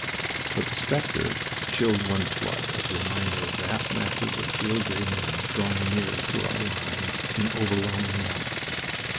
But the specter chilled one's blood at the reminder of vast masses of field gray men drawing nearer to our lines in overwhelming numbers.